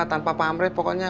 tanpa pamrit pokoknya